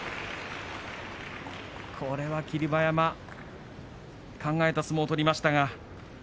霧馬山、考えた相撲を取りました。